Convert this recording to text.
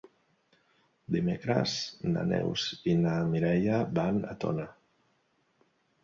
Dimecres na Neus i na Mireia van a Tona.